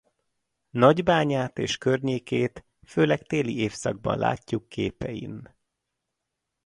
Nagybányát és környékét főleg téli évszakban látjuk képein.